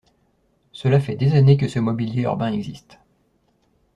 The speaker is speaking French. Cela fait des années que ce mobilier urbain existe.